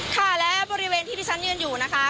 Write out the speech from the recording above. ค่ะและบริเวณที่ที่ฉันยืนอยู่นะคะ